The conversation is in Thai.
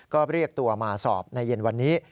ก็เรียกตัวมาสอบในเย็นวันนี้